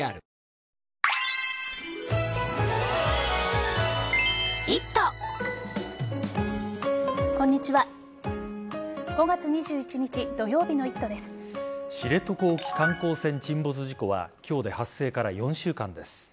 知床沖観光船沈没事故は今日で発生から４週間です。